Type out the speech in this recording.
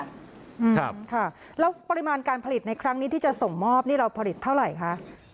ครับค่ะแล้วปริมาณการผลิตในครั้งนี้ที่จะส่งมอบนี่เราผลิตเท่าไหร่คะ